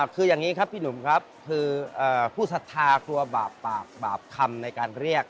คืออย่างนี้ครับพี่หนุ่มครับคือผู้ศรัทธากลัวบาปปากบาปคำในการเรียก